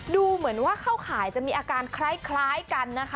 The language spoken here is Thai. ดูเหมือนว่าเข้าข่ายจะมีอาการคล้ายกันนะคะ